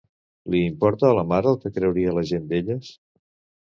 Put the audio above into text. Li importa a la mare el que creuria la gent d'elles?